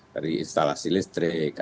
dari instalasi listrik